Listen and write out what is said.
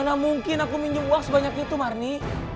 karena mungkin aku minjem uang sebanyak itu marni